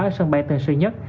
ở sân bay tân sư nhất